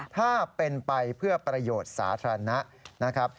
ถ้าเป็นไปเพื่อประโยชน์สาธารณะนะครับ